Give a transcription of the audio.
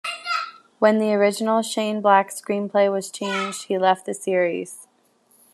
When the original Shane Black screenplay was changed, he left the series.